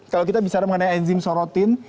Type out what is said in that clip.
kalau kita bicara mengenai enzim sorotin